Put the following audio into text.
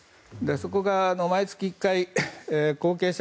そこが毎月１回後継者